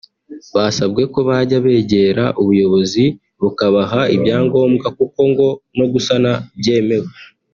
basabwe ko bajya begera ubuyobozi bukabaha ibyangombwa kuko ngo no gusana byemewe